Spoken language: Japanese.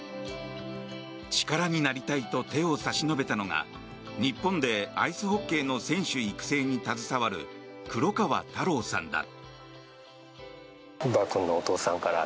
力になりたいと手を差し伸べたのが日本でアイスホッケーの選手育成に携わる黒川太郎さんだ。